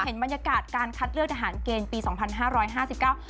เห็นบรรยากาศการคัดเลือกทหารเกณฑ์ปีสองพันห้าร้อยห้าสิบเก้า